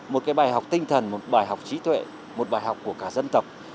một cái bài học tinh thần một bài học trí tuệ một bài học của cả dân tộc